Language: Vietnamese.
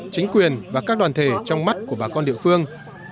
chính quyền và các đoàn thể trong mắt của bà con địa phương